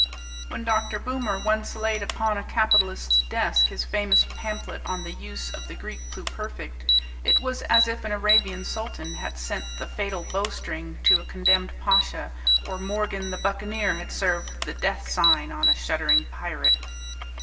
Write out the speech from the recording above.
When Dr. Boomer once laid upon a capitalist's desk his famous pamphlet on the "Use of the Greek Pluperfect," it was as if an Arabian sultan had sent the fatal bow string to a condemned pasha, or Morgan the buccaneer had served the death sign on a shuddering pirate.